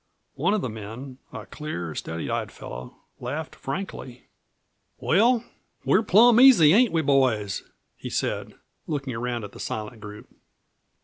One of the men, a clear, steady eyed fellow, laughed frankly. "Well, we're plum easy, ain't we boys?" he said, looking around at the silent group.